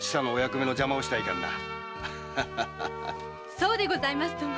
そうでございますとも！